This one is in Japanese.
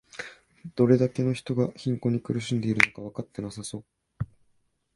どれだけの人が貧困に苦しんでいるのかわかってなさそう